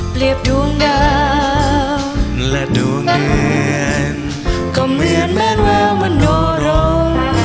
ดวงดาวและดวงเดือนก็เหมือนแมนแววมโนรม